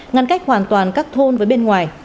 ngăn cách hoàn toàn các thôn với bên ngoài